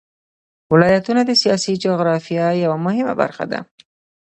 ولایتونه د سیاسي جغرافیه یوه مهمه برخه ده.